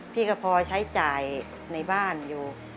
พี่ก็พอใช้จ่ายในบ้านอยู่